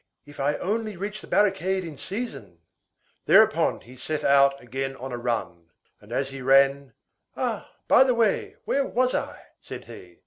If I only reach the barricade in season!" Thereupon he set out again on a run. And as he ran:— "Ah, by the way, where was I?" said he.